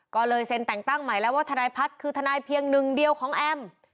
ก็เลยเซ็นแต่งตั้งใหม่แล้วว่าทนายพัฒน์คือทนายเพียงหนึ่งเดียวของแอม